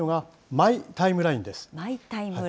マイ・タイムライン。